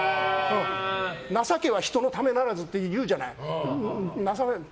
情けは人の為ならずっていうじゃない。